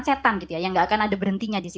setan gitu ya yang enggak akan ada berhentinya disitu